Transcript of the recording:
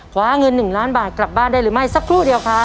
คว้าเงิน๑ล้านบาทกลับบ้านได้หรือไม่สักครู่เดียวครับ